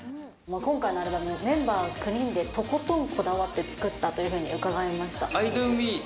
実はそのアルバム名にも、今回のアルバム、メンバー９人でとことんこだわって作ったというふうに伺いました。